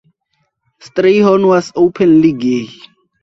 Strayhorn was openly gay.